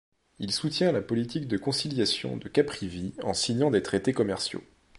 Il soutient la politique de conciliation de Caprivi en signant des traités commerciaux.